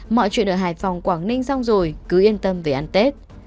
mọi chuyện ở hải phòng quảng ninh xong rồi cứ yên tâm về ăn tết